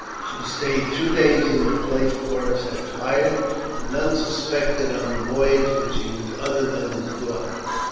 She stayed two days in the place Porus had hired, and none suspected on the voyage that she was other than his daughter."